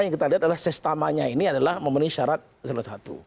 yang kita lihat adalah sestamanya ini adalah memenuhi syarat salah satu